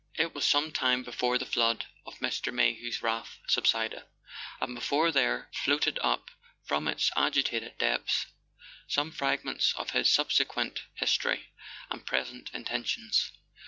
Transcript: It was some time before the flood of Mr. Mayhew's wrath subsided, or before there floated up from its agitated depths some fragments of his subsequent his¬ tory and present intentions.